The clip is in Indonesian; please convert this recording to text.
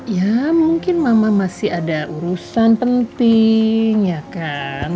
ya mungkin mama masih ada urusan penting ya kan